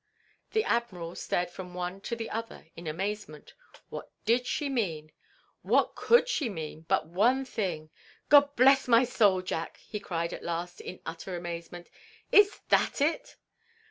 The Admiral stared from one to the other in amazement. What did she mean? What could she mean, but one thing? "Gobblessmysoul, Jack!" he cried at last, in utter amazement, "Is that it?"